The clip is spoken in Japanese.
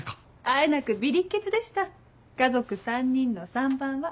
あえなくビリッケツでした家族３人の３番は。